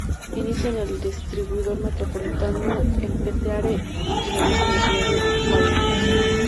Inicia en el Distribuidor Metropolitano, en Petare, y finaliza en la ciudad de Guarenas.